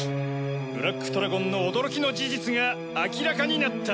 ブラックトラゴンの驚きの事実が明らかになった。